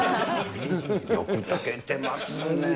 よく炊けてますね。